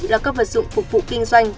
là các vật dụng phục vụ kinh doanh